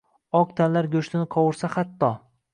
Oq tanlar go’shtini qovursa hatto!..